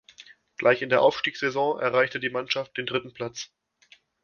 Gleich in der Aufstiegssaison erreichte die Mannschaft den dritten Platz.